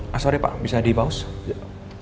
maaf pak bisa di pause